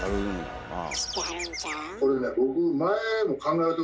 知ってはるんちゃう？